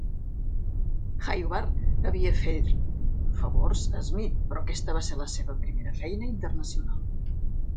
Hayward havia fer "favors" a Smith, però aquesta va ser la seva primera feina internacional.